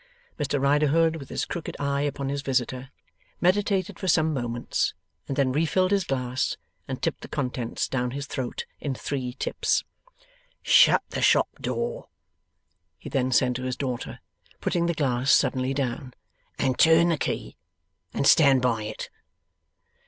Mr Riderhood, with his crooked eye upon his visitor, meditated for some moments, and then refilled his glass, and tipped the contents down his throat in three tips. 'Shut the shop door!' he then said to his daughter, putting the glass suddenly down. 'And turn the key and stand by it!